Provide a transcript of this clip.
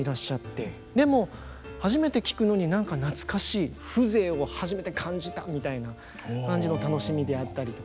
でも「初めて聴くのに何か懐かしい」「風情を初めて感じた」みたいな感じの楽しみであったりとか。